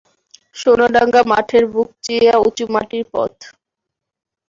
সোনাডাঙা মাঠের বুক চিরিয়া উঁচু মাটির পথ।